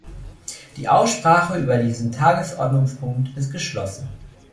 Die Aussprache über diesen Tagesordnungspunkt ist geschlossen.